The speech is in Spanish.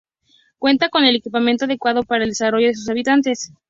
Cuenta con el equipamiento adecuado para el desarrollo de sus habitantes.